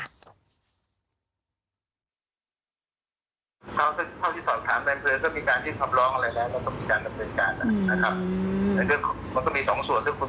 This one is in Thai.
เท่าที่สอดถามแรงเผยก็มีการที่ทำร้องอะไรแล้ว